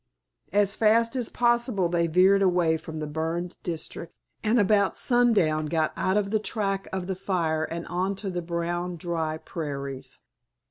As fast as possible they veered away from the burned district, and about sundown got out of the track of the fire and onto the brown dry prairies.